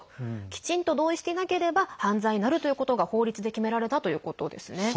きちんと同意していなければ犯罪になるということが法律で決められたということですね。